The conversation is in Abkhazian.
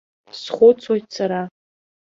Схәыцуеит сара.